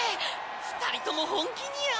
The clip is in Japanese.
２人とも本気ニャ。